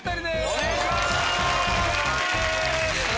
お願いします。